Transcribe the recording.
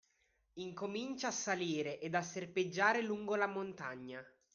Incomincia a salire ed a serpeggiare lungo la montagna